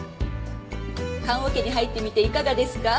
棺桶に入ってみていかがですか？